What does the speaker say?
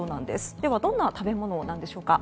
では、どんな食べ物なんでしょうか。